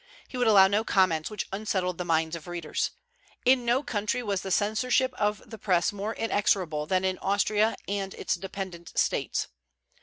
He would allow no comments which unsettled the minds of readers. In no country was the censorship of the Press more inexorable than in Austria and its dependent States.